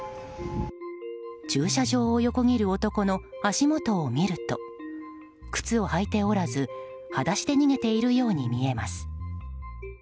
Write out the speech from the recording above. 駐車場を横切る男の足元を見ると靴を履いておらずはだしで逃げているように見えます。